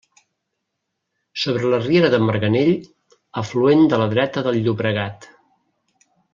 Sobre la riera de Marganell, afluent de la dreta del Llobregat.